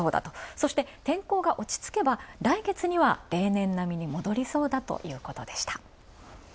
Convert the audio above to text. そして天候が落ち着けば、来月には例年並みに戻りそうだということでした。